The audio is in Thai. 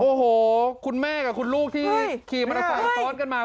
โอ้โหคุณแม่กับคุณลูกที่ขี่มอเตอร์ไซค์ซ้อนกันมา